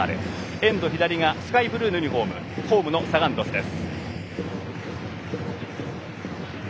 エンド左がスカイブルーのユニフォーム、ホームのサガン鳥栖です。